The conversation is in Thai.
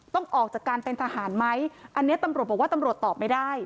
ต้องออกจากการเป็นทหารไหมอันนี้ตำรวจบอกว่าตำรวจตอบไม่ได้